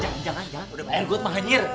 jangan jangan ya udah air got mahanyir